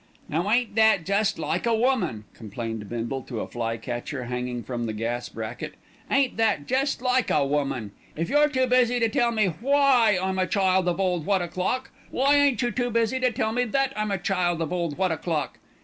"Now ain't that jest like a woman," complained Bindle to a fly catcher hanging from the gas bracket. "Ain't that jest like a woman. If you're too busy to tell me why I'm a child of ole What a Clock, why ain't you too busy to tell me that I am a child of ole What a Clock?"